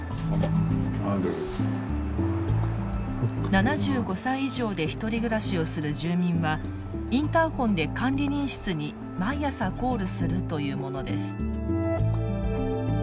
７５歳以上でひとり暮らしをする住民はインターフォンで管理人室に毎朝コールするというものです。